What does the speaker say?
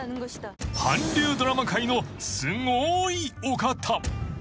［韓流ドラマ界のすごいお方］